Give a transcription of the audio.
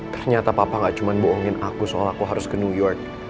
ternyata papa gak cuma bohongin aku soal aku harus ke new york